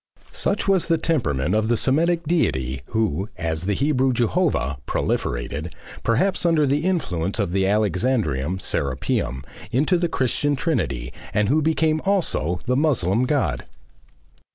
Such was the temperament of the Semitic deity who, as the Hebrew Jehovah, proliferated, perhaps under the influence of the Alexandrian Serapeum, into the Christian Trinity and who became also the Moslem God.